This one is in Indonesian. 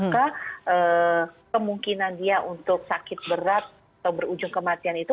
kemungkinan dia untuk sakit berat atau berujung kematian itu